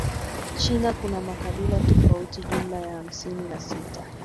China kuna makabila tufauti jumla ya hamsini na sita